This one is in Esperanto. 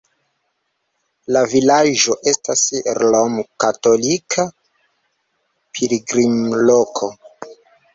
La vilaĝo estas romkatolika pilgrimloko.